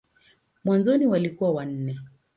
Mwanzoni walikuwa wanne.